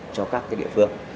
cho các địa phương